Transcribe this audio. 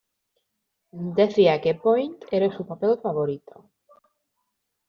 Decía que Point era su papel favorito.